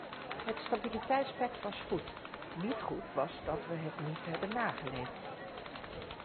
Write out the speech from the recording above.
Het stabiliteitspact was goed; niet goed was dat we het niet hebben nageleefd.